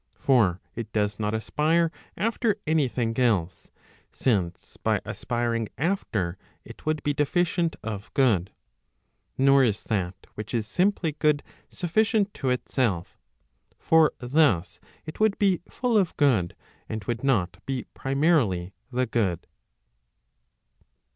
For it does not aspire after any thing else; since by aspiring after it would be deficient of good. Nor is that which is .simply good sufficient to itself. For thus it would be full of good, and would not be primarily the good.